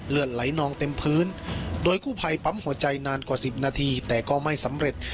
เลือดไหลนองเต็มพื้นโดยกู้ภัยปั๊มหัวใจนานกว่า๑๐นาทีแต่ก็ไม่สำเร็จ